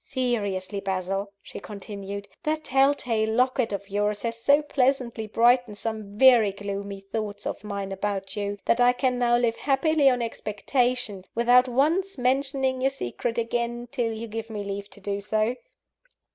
Seriously, Basil," she continued, "that telltale locket of yours has so pleasantly brightened some very gloomy thoughts of mine about you, that I can now live happily on expectation, without once mentioning your secret again, till you give me leave to do so."